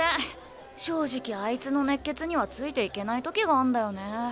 正直あいつの熱血にはついていけない時があんだよね。